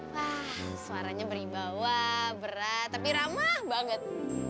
wah suaranya beribawa berat tapi ramah banget